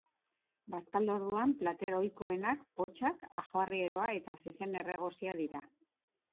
Bazkalorduan plater ohikoenak potxak, ajoarrieroa eta zezen erregosia dira.